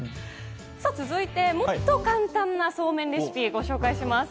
続いてもっと簡単なそうめんレシピをご紹介します。